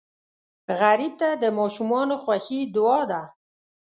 غریب ته د ماشومانو خوښي دعا ده